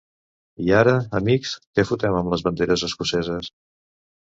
I ara, amics, què fotem amb les banderes escoceses?